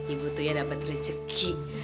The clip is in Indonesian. ibu tuh ya dapat rezeki